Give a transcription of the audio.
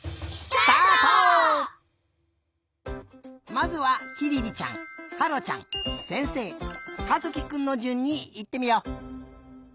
まずはきりりちゃんはろちゃんせんせいかずきくんのじゅんにいってみよう。